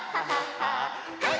はい！